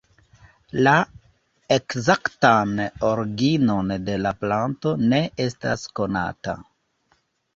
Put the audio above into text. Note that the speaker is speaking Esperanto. La ekzaktan originon de la planto ne estas konata.